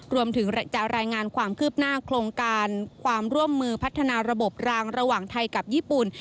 รวมถึงจะรายงานความคืบหน้าโครงการความร่วมมือพัฒนาระบบรางระหว่างไทยกับญี่ปุ่น